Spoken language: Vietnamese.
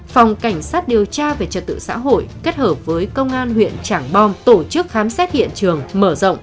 phòng cảnh sát điều tra về trật tự xã hội kết hợp với công an huyện trảng bom tổ chức khám xét hiện trường mở rộng